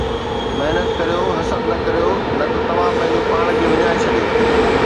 محنت ڪريو، حسد نه ڪريو، نه ته توهان پنهنجو پاڻ کي وڃائي ڇڏيو